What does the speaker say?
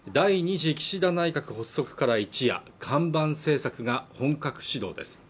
次岸田内閣発足から一夜看板政策が本格始動です